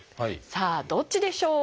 さあどっちでしょう？